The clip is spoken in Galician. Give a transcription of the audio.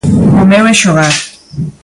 O meu é xogar.